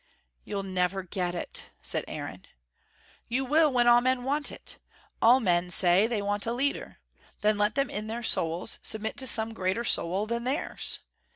"You'll never get it," said Aaron. "You will, when all men want it. All men say, they want a leader. Then let them in their souls submit to some greater soul than theirs.